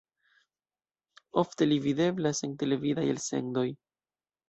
Ofte li videblas en televidaj elsendoj.